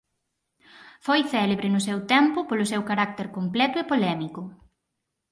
Foi célebre no seu tempo polo seu carácter completo e polémico.